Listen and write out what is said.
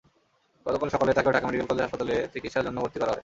গতকাল সকালে তাঁকেও Dhaka medical college হাসপাতালে চিকিৎসার জন্য ভর্তি করা হয়।